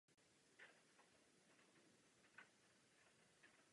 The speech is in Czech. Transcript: G. Taylora ze společnosti Taylor Aircraft Corp.